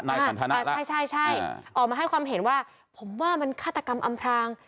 สันทนาใช่ใช่ออกมาให้ความเห็นว่าผมว่ามันฆาตกรรมอำพราง